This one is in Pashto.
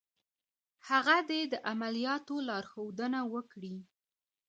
هغه دې د عملیاتو لارښودنه وکړي.